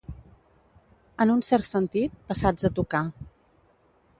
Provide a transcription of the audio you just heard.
En un cert sentit, passats a tocar.